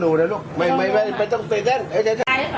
มันจะเจ็บไง